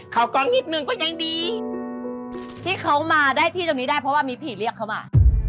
เขาก็นิดหนึ่งก็ยังดีที่เขามาได้ที่ตรงนี้ได้เพราะว่ามีผีเรียกเขามา